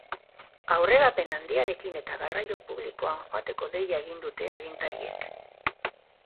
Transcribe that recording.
Aurrerapen handiarekin eta garraio publikoan joateko deia egin dute agintariek.